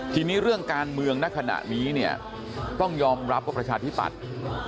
ทีนี้เรื่องการเมืองณขณะนี้เนี่ยต้องยอมรับว่าประชาธิปัตย์